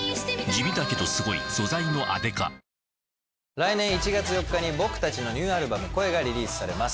来年１月４日に僕たちのニューアルバム『声』がリリースされます。